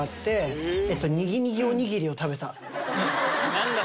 何だ？